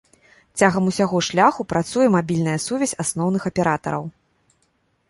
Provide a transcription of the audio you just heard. Цягам усяго шляху працуе мабільная сувязь асноўных аператараў.